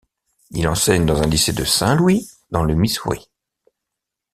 Il enseigne dans un lycée de Saint-Louis, dans le Missouri.